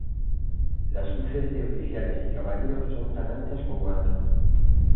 Las cruces de oficiales y caballeros son tan anchas como altas.